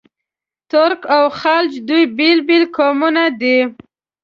ترک او خلج دوه بېل بېل قومونه دي.